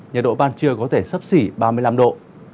nhiệt độ ban trưa có thể sấp xỉ ba mươi năm độ